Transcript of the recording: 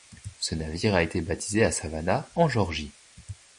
Ce navire a été baptisé à Savannah en Géorgie.